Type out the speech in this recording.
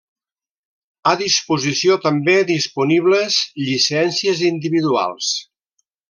A disposició també disponibles llicències individuals.